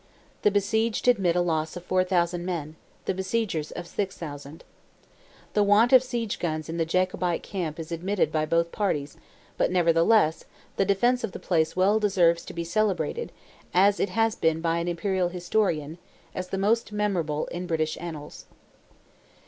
The besieged admit a loss of 4,000 men; the besiegers of 6,000. The want of siege guns in the Jacobite camp is admitted by both parties, but, nevertheless, the defence of the place well deserves to be celebrated, as it has been by an imperial historian, "as the most memorable in British annals."